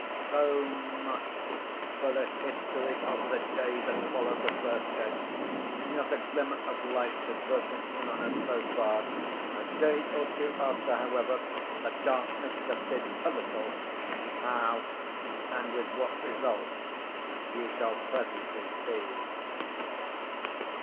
So much for the history of the day that followed the birthday. Not a glimmer of light had broken in on us, so far. A day or two after, however, the darkness lifted a little. How, and with what result, you shall presently see.